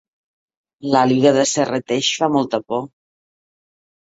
L'àliga de Serrateix fa molta por